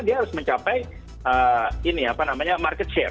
dia harus mencapai market share